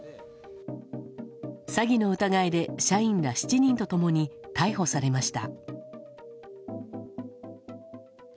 詐欺の疑いで社員ら７人と共に逮捕されました。